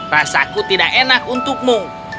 rasaku tidak enak untukmu